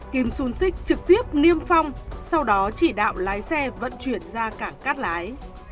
kim xuân xích trực tiếp niêm phong sau đó chỉ đạo lái xe vận chuyển ra cảng cát lái